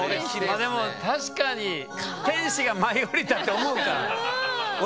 まあでも確かに天使が舞いおりたって思うか。